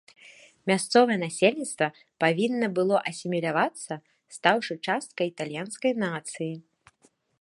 Мясцовае насельніцтва павінна было асімілявацца, стаўшы часткай італьянскай нацыі.